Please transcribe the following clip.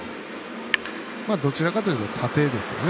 どちらかというと縦ですよね。